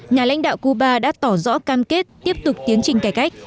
nhà lãnh đạo cuba đã tỏ rõ cam kết tiếp tục tiến trình cải cách